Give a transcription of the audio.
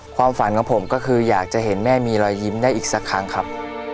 ความฝันของผมก็คืออยากจะเห็นแม่มีรอยยิ้มได้อีกสักครั้งครับ